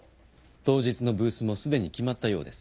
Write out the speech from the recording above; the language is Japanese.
当日のブースもすでに決まったようです。